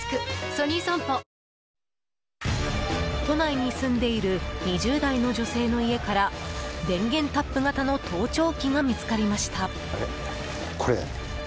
都内に住んでいる２０代の女性の家から電源タップ型の盗聴器が見つかりました。